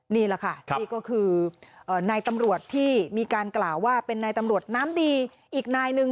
นี่แหละค่ะนี่ก็คือนายตำรวจที่มีการกล่าวว่าเป็นนายตำรวจน้ำดีอีกนายหนึ่ง